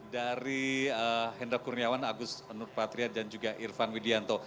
dari hendra kurniawan agus nurpatria dan juga irfan wissam